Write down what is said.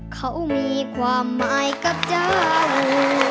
เขามีความหมายกับเจ้า